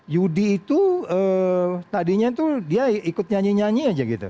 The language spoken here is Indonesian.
yudi itu tadinya tuh dia ikut nyanyi nyanyi aja gitu